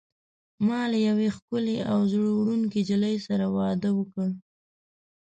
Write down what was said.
ما له یوې ښکلي او زړه وړونکي نجلۍ سره واده وکړ.